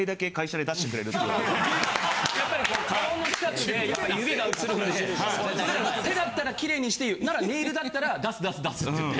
やっぱり顔の近くで指が映るので手だったらキレイにしていいよ。ならネイルだったら出す出す出すって言って。